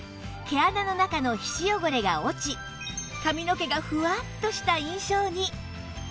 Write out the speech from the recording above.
毛穴の中の皮脂汚れが落ち髪の毛がフワッとした印象に